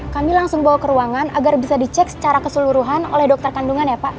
kami langsung bawa ke ruangan agar bisa dicek secara keseluruhan oleh dokter kandungan ya pak